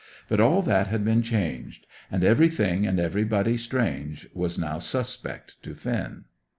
But all that had been changed, and everything and everybody strange was now suspect to Finn.